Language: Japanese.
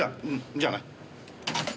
じゃあな。